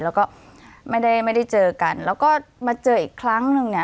แล้วก็ไม่ได้ไม่ได้เจอกันแล้วก็มาเจออีกครั้งนึงเนี่ย